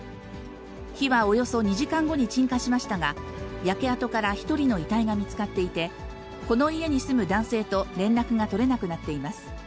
火はおよそ２時間後に鎮火しましたが、焼け跡から１人の遺体が見つかっていて、この家に住む男性と連絡が取れなくなっています。